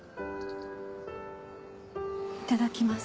いただきます。